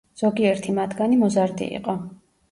ზოგიერთი მათგანი მოზარდი იყო.